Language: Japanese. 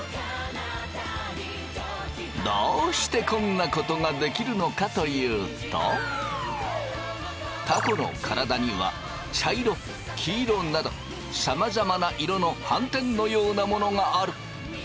どうしてこんなことができるのかというとたこの体には茶色黄色などさまざまな色の斑点のようなものがある。